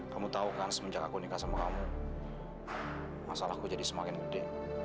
kamu tahu kan semenjak aku nikah sama kamu masalahku jadi semakin gede